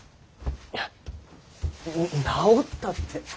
いや治ったって。